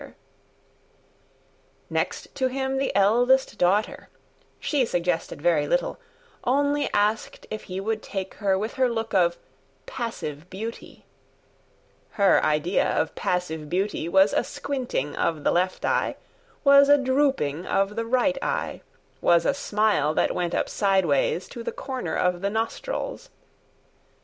[Picture: Next to him the eldest daughter] Next to him the eldest daughter: She suggested very little, Only asked if he would take her With her look of 'passive beauty.' Her idea of passive beauty Was a squinting of the left eye, Was a drooping of the right eye, Was a smile that went up sideways To the corner of the nostrils.